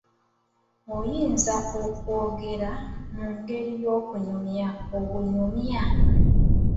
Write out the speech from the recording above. Oyinza okwogera mu ngeri y'okunyumya obunyumya.